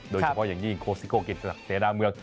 โดยเฉพาะอย่างนี้โค้ดคนเก่งซิโก้กินที่ศักดิ์เสนอเมือง